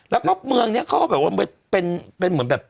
แล้วก็เมืองนี้เขาเป็นเหมือนแบบ